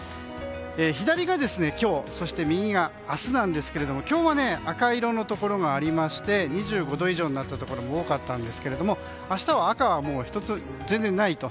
左が今日、右が明日なんですが今日は赤色のところがありまして２５度以上になったところも多かったんですけれども明日は赤は全然ないと。